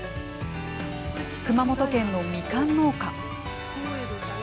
熊本県のみかん農家。